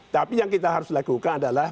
tapi yang kita harus lakukan adalah